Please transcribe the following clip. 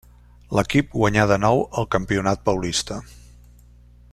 L'equip guanyà de nou el campionat paulista.